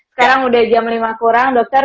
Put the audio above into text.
sekarang udah jam lima kurang dokter